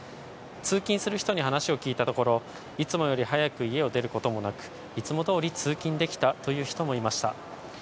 通勤する人に話を聞いたところ、いつもより早く家を出ることもなく、いつも通り通勤できたという人もいました。